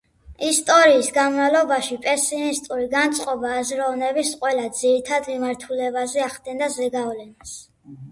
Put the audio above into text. ისტორიის განმავლობაში პესიმისტური განწყობა აზროვნების ყველა ძირითად მიმართულებაზე ახდენდა ზეგავლენას.